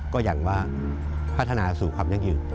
ก็อย่างว่าพัฒนาสู่ความยั่งยืน